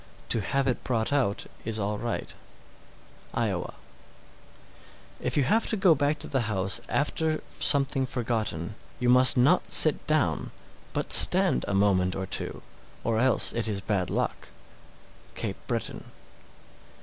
To have it brought out is all right. Iowa. 661. If you have to go back to the house after something forgotten, you must not sit down, but stand a moment or two, or else it is bad luck. _Cape Breton.